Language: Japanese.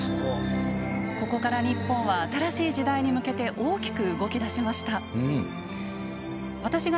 ここから日本は新しい時代に向けて大きく動きだしました。